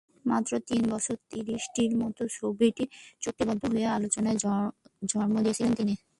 মাত্র তিন বছরে ত্রিশটির মতো ছবিতে চুক্তিবদ্ধ হয়ে আলোচনার জন্ম দিয়েছেন তিনি।